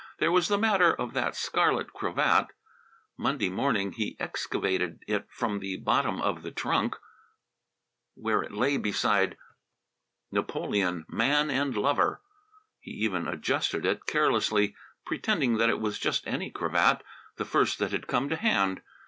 There was the matter of that scarlet cravat. Monday morning he excavated it from the bottom of the trunk, where it lay beside "Napoleon, Man and Lover." He even adjusted it, carelessly pretending that it was just any cravat, the first that had come to hand.